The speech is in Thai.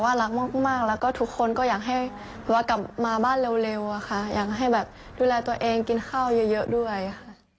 รักมากแล้วก็ทุกคนก็อยากให้กลับมาบ้านเร็วอะค่ะอยากให้แบบดูแลตัวเองกินข้าวเยอะด้วยค่ะ